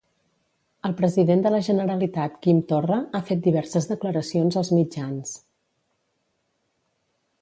El President de la Generalitat, Quim Torra, ha fet diverses declaracions als mitjans.